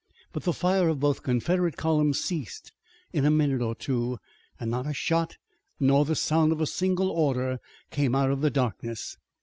But the fire of both Confederate columns ceased in a minute or two, and not a shot nor the sound of a single order came out of the darkness.